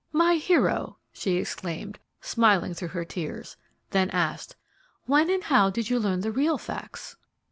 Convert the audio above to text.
"My hero!" she exclaimed, smiling through her tears; then asked, "When and how did you learn the real facts?"